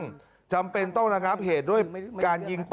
สวัสดีครับทุกคน